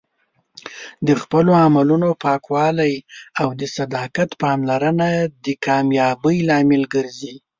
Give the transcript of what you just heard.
د خپلو عملونو پاکوالی او د صداقت پاملرنه د کامیابۍ لامل ګرځي.